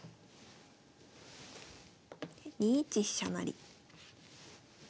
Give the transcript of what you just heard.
２一飛車成。